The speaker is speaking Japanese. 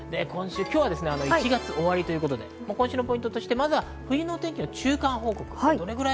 今日は１月終わりということで、今週のポイントとしてまず冬の天気の中間報告。